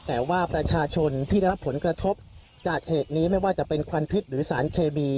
แต่ว่าประชาชนที่ได้รับผลกระทบจากเหตุนี้ไม่ว่าจะเป็นควันพิษหรือสารเคมี